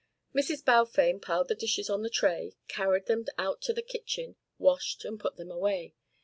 Mrs. Balfame piled the dishes on the tray, carried them out into the kitchen, washed and put them away.